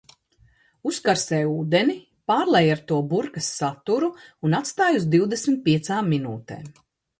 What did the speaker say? Uzkarsē ūdeni, pārlej ar to burkas saturu un atstāj uz divdesmit piecām minūtēm.